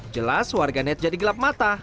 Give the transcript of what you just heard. jelas warganet jadi gelap mata